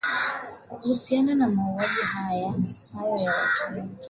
Kuhusiana na mauaji hayo ya watu wengi.